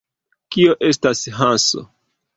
Kio estas Hanso?